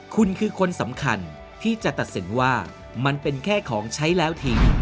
คุณคือคนสำคัญที่จะตัดสินว่ามันเป็นแค่ของใช้แล้วทิ้ง